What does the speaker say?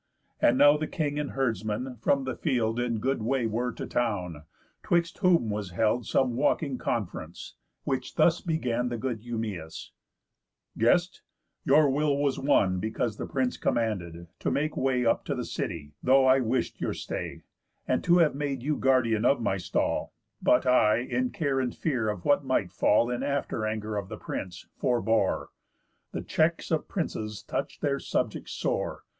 And now the king and herdsman, from the field, In good way were to town; 'twixt whom was held Some walking conference, which thus begun The good Eumæus: "Guest, your will was won, Because the prince commanded, to make way Up to the city, though I wish'd your stay, And to have made you guardian of my stall; But I, in care and fear of what might fall In after anger of the prince, forbore. _The checks of princes touch their subjects sore.